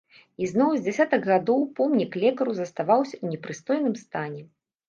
І зноў з дзясятак гадоў помнік лекару заставаўся ў непрыстойным стане.